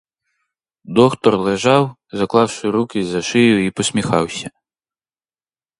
Доктор лежав, заклавши руки за шию й посміхався.